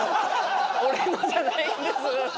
俺のじゃないんです。